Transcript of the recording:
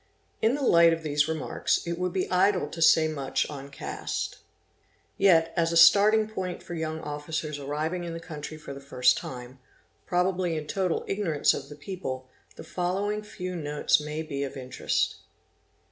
In the light of these remarks it would be idle to say much on caste. Yet, as a starting point for young officers arriving in the country for the — first time, probably in total ignorance of the people, the following few — notes may be of interest.